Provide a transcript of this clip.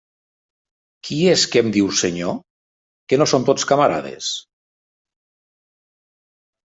Qui és que em diu senyor? Que no som tots camarades?